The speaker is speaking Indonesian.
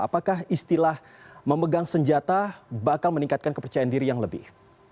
apakah istilah memegang senjata bakal meningkatkan kepercayaan diri yang lebih